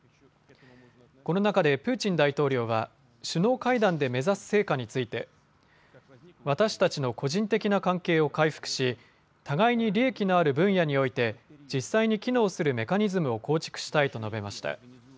この中でプーチン大統領は首脳会談で目指す成果について、私たちの個人的な関係を回復し、互いに利益のある分野において実際に機能するメカニズムを構築したいと述べました。